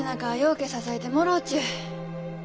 うけ支えてもろうちゅう。